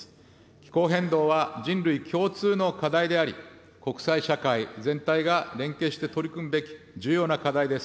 気候変動は人類共通の課題であり、国際社会全体が連携して取り組むべき重要な課題です。